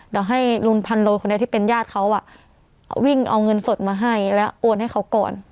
เดี๋ยวให้ลุงพันโลคนนี้ที่เป็นญาติเขาวิ่งเอาเงินสดมาให้แล้วโอนให้เขาก่อน